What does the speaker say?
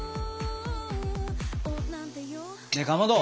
ねっかまど！